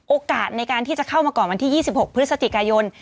โอกาสในการที่จะเข้ามาก่อนวันที่๒๖พฤศจิกายน